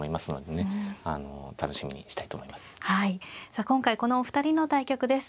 さあ今回このお二人の対局です。